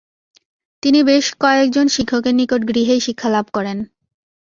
তিনি বেশ কয়েকজন শিক্ষকের নিকট গৃহেই শিক্ষা লাভ করেন।